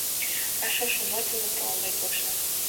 А шошо мо дене тыланда келша?